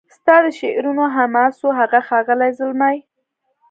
ستا د شعرونو حماسو هغه ښاغلی زلمی